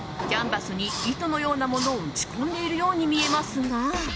キャンバスに糸のようなものを打ち込んでいるように見えますが。